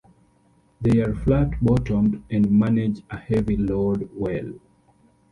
They are flat bottomed and manage a heavy load well.